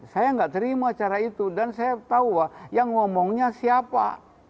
saya nggak terima cara itu dan saya tahu yang ngomongnya siapa